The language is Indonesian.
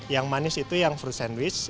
yang manis itu yang frust sandwich